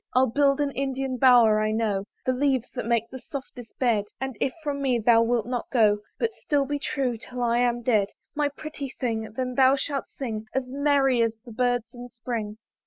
I'll build an Indian bower; I know The leaves that make the softest bed: And if from me thou wilt not go, But still be true 'till I am dead, My pretty thing! then thou shalt sing, As merry as the birds in spring.